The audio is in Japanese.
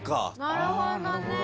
なるほどね。